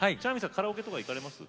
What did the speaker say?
カラオケとか行かれます？